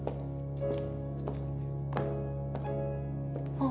あっ。